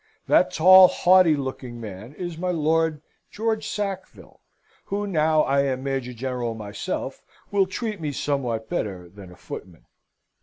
That tall, haughty looking man is my Lord George Sackville, who, now I am a Major General myself, will treat me somewhat better than a footman.